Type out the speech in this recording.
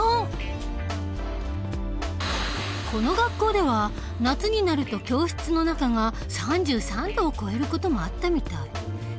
この学校では夏になると教室の中が３３度を超える事もあったみたい。